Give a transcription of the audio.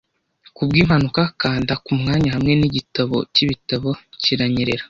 kubwimpanuka kanda kumwanya hamwe nigitabo cyibitabo kiranyerera,